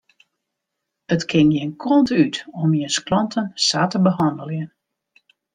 It kin gjin kant út om jins klanten sa te behanneljen.